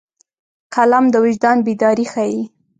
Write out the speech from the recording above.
قلم د وجدان بیداري ښيي